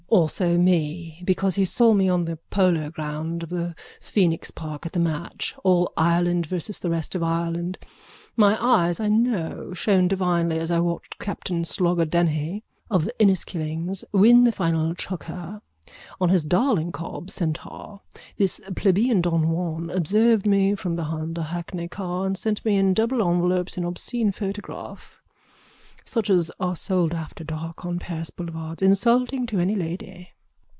_ Also me. Because he saw me on the polo ground of the Phoenix park at the match All Ireland versus the Rest of Ireland. My eyes, I know, shone divinely as I watched Captain Slogger Dennehy of the Inniskillings win the final chukkar on his darling cob Centaur. This plebeian Don Juan observed me from behind a hackney car and sent me in double envelopes an obscene photograph, such as are sold after dark on Paris boulevards, insulting to any lady.